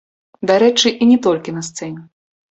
Дарэчы, і не толькі на сцэне.